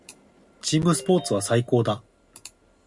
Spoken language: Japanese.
チームスポーツは最高だ。